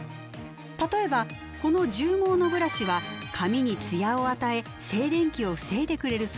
例えばこの獣毛のブラシは髪にツヤを与え静電気を防いでくれるそうです。